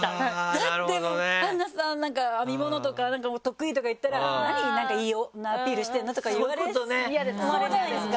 だってあんなさなんか編み物とか得意とか言ったら「何いい女アピールしてるの」とか言われそうじゃないですか。